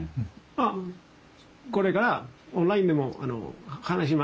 あっこれからオンラインでも話します。